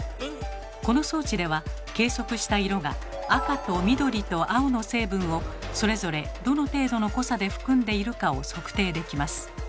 この装置では計測した色が赤と緑と青の成分をそれぞれどの程度の濃さで含んでいるかを測定できます。